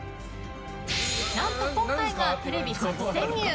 何と今回がテレビ初潜入。